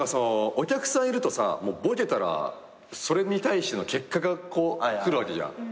お客さんいるとさボケたらそれに対しての結果がこう来るわけじゃん。